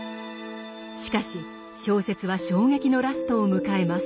しかし小説は衝撃のラストを迎えます。